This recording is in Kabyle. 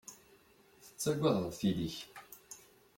Tettaggadeḍ tili-k.